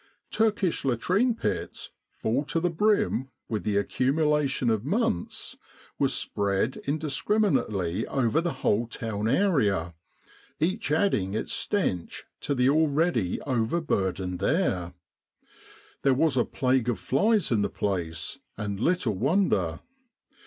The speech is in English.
Turkish latrine pits, full to the brim with the accumulation of months, were spread indiscriminately over the whole town area, each adding its stench to the already over burdened air. There was a plague of flies in the place, and little wonder.